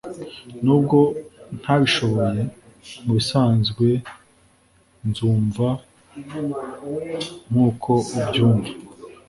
nubwo ntabishoboye, mubisanzwe nzumva nkuko ubyumva